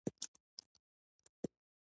که بل اړخ ته څوک راسا خبره هم کوي.